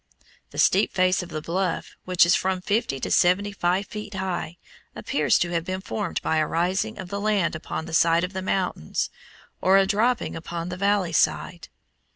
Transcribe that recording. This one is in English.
The steep face of the bluff, which is from fifty to seventy five feet high, appears to have been formed by a rising of the land upon the side next the mountains, or a dropping upon the valley side.